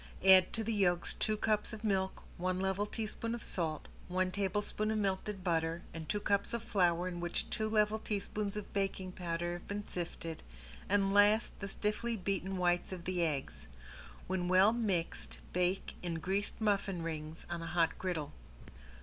Add to the yolks two cups of milk, one level teaspoon of salt, one tablespoon of melted butter and two cups of flour in which two level teaspoons of baking powder have been sifted, and last the stiffly beaten whites of the eggs. When well mixed bake in greased muffin rings on a hot griddle.